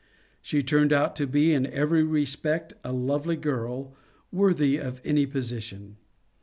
She turned out to be in every respect a lovely girl, worthy of any position.